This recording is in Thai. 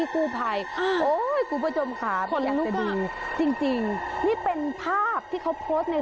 กูภัยโอ้ยกูประจมค่ะคนลูกมากจริงจริงนี่เป็นภาพที่เขาโพสต์ใน